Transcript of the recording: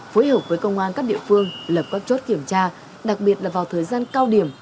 phối hợp với công an các địa phương lập các chốt kiểm tra đặc biệt là vào thời gian cao điểm